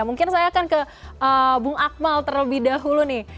mungkin saya akan ke bung akmal terlebih dahulu nih